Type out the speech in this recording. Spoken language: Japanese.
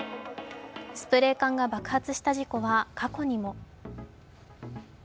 スプレー缶が爆発した事故は過去にも。